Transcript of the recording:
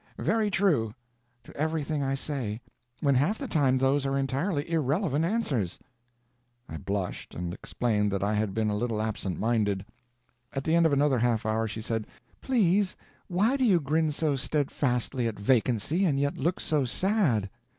very true!' to everything I say, when half the time those are entirely irrelevant answers?" I blushed, and explained that I had been a little absent minded. At the end of another half hour she said, "Please, why do you grin so steadfastly at vacancy, and yet look so sad?"